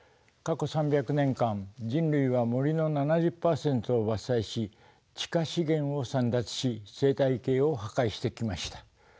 過去３００年間人類は森の７０％を伐採し地下資源を簒奪し生態系を破壊してきました。